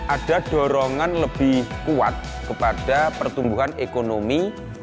ada dorongan lebih kuat kepada pertumbuhan ekonomi